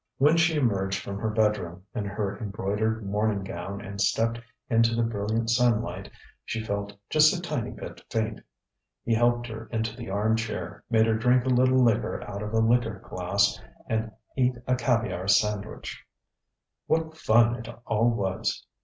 When she emerged from her bed room in her embroidered morning gown and stepped into the brilliant sunlight, she felt just a tiny bit faint; he helped her into the armchair, made her drink a little liqueur out of a liqueur glass and eat a caviare sandwich. What fun it all was!